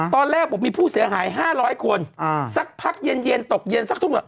ตอนแรกบอกมีผู้เสียหาย๕๐๐คนสักพักเย็นตกเย็นสักทุ่ม